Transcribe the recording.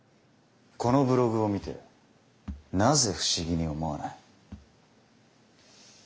このブログを見てなぜ不思議に思わない？